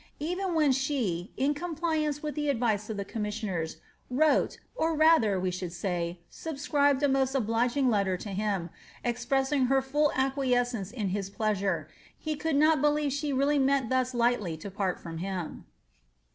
Even when she, in com ^_, jiauca with the advice of the couimjasignurs, wrote, or tather, we should ^Bja^i saliMribed a must obliging letter lu him,' eipresaing her full acqui ^^^■Hnce ill his pleuure, he could not believe she really meant liius lightly ^^KMri riom Itioi.